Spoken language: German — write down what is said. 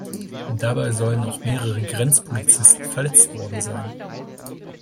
Dabei sollen auch mehrere Grenzpolizisten verletzt worden sein.